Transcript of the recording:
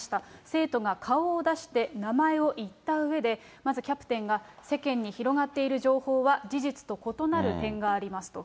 生徒が顔を出して、名前を言ったうえで、まずキャプテンが、世間に広がっている情報は、事実と異なる点がありますと。